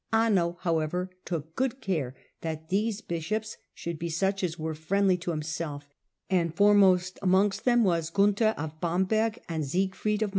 Anno, however, took good care that these bishops should be such as were friendly to himself, and foremost amongst them were Gunther of Bamberg and Siegfried of Mainz.